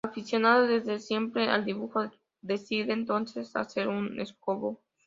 Aficionado desde siempre al dibujo, decide entonces hacer un esbozo.